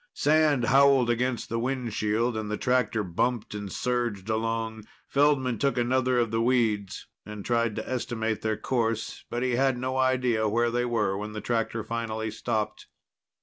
Sand howled against the windshield and the tractor bumped and surged along. Feldman took another of the weeds and tried to estimate their course. But he had no idea where they were when the tractor finally stopped.